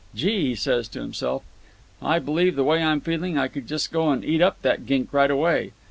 'Gee!' he says to himself, 'I believe the way I'm feeling, I could just go and eat up that gink right away.